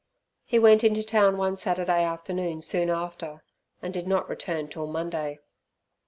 He went into town one Saturday afternoon soon after, and did not return till Monday.